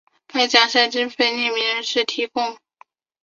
该奖项的经费由匿名人士或团体提供。